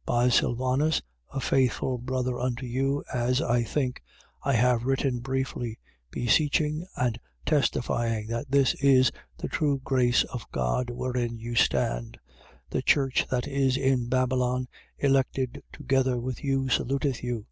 5:12. By Sylvanus, a faithful brother unto you, as I think, I have written briefly: beseeching and testifying that this is the true grace of God, wherein you stand. 5:13. The church that is in Babylon, elected together with you, saluteth you.